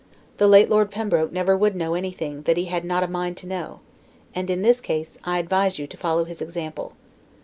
The late Lord Pembroke never would know anything that he had not a mind to know; and, in this case, I advise you to follow his example.